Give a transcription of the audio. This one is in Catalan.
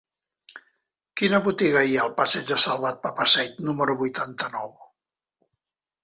Quina botiga hi ha al passeig de Salvat Papasseit número vuitanta-nou?